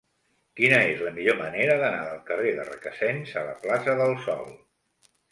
Quina és la millor manera d'anar del carrer de Requesens a la plaça del Sol?